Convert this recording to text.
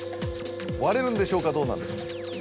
割れるんでしょうかどうなんでしょう。